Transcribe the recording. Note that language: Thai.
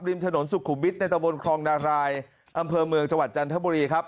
ริมถนนสุขุมวิทย์ในตะบนคลองนารายอำเภอเมืองจังหวัดจันทบุรีครับ